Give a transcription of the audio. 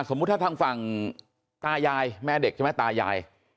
สมมุติถ้าทางฝั่งตายายแม่เด็กใช่ไหมตายาย